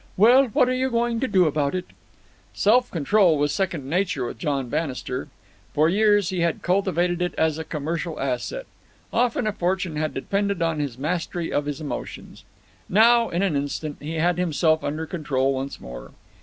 "Well, what are you going to do about it?" Self control was second nature with John Bannister. For years he had cultivated it as a commercial asset. Often a fortune had depended on his mastery of his emotions. Now, in an instant, he had himself under control once more.